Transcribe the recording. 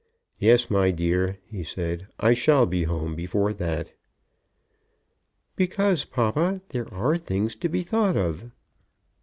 "Yes, my dear," he said, "I shall be home before that." "Because, papa, there are things to be thought of."